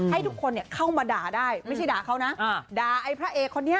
ให้ทุกคนเข้ามาด่าได้ไม่ใช่ด่าเขานะด่าไอ้พระเอกคนนี้